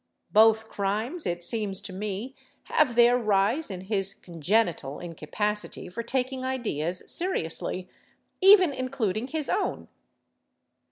Both crimes, it seems to me, have their rise in his congenital incapacity for taking ideas seriously, even including his own.